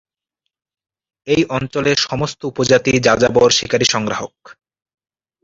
এই অঞ্চলে সমস্ত উপজাতি যাযাবর শিকারী সংগ্রাহক।